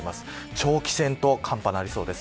長期戦と寒波はなりそうです。